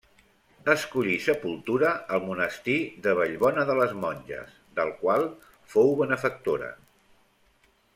Escollí sepultura al monestir de Vallbona de les Monges, del qual fou benefactora.